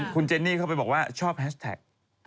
คุณเจนี่เข้าไปบอกว่าชอบแฮชแท็ก